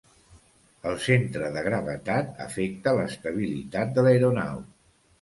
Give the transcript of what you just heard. El centre de gravetat afecta l'estabilitat de l'aeronau.